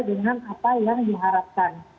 dengan apa yang diharapkan